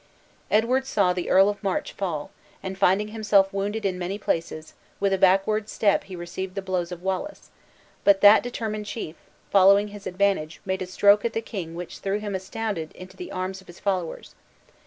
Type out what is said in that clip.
Edward saw the Earl of March fall, and finding himself wounded in many places, with a backward step he received the blows of Wallace; but that determined chief, following his advantage, made a stroke at the king which threw him astounded into the arms of his followers.